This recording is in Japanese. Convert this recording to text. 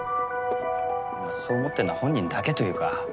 まあそう思ってるのは本人だけというか。